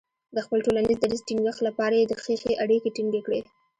د خپل ټولنیز دریځ ټینګښت لپاره یې د خیښۍ اړیکې ټینګې کړې.